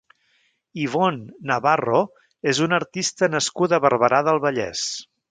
Ivonne Navarro és una artista nascuda a Barberà del Vallès.